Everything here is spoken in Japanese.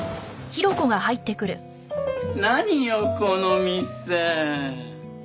何よこの店。